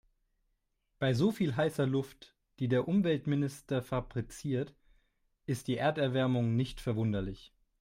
Bei so viel heißer Luft, die der Umweltminister fabriziert, ist die Erderwärmung nicht verwunderlich.